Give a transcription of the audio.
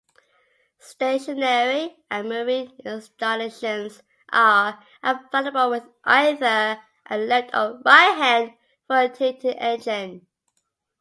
Stationary and marine installations are available with either a left or right-hand rotating engine.